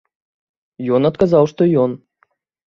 Ён адказаў, што ён.